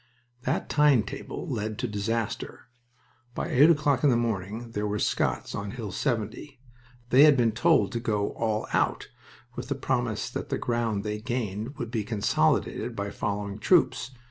That time table led to disaster. By eight o'clock in the morning there were Scots on Hill 70. They had been told to go "all out," with the promise that the ground they gained would be consolidated by following troops.